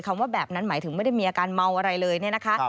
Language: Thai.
ว่าแบบนั้นหมายถึงไม่ได้มีอาการเมาอะไรเลยเนี่ยนะคะ